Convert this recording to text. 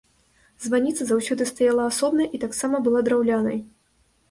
Званіца заўсёды стаяла асобна і таксама была драўлянай.